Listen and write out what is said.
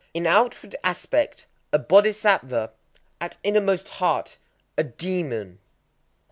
_ In outward aspect a Bodhisattva; at innermost heart a demon.